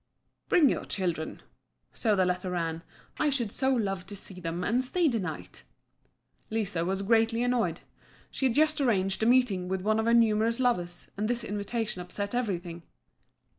"Bring your children," so the letter ran, "I should so love to see them, and stay the night." Liso was greatly annoyed. She had just arranged a meeting with one of her numerous lovers, and this invitation upset everything.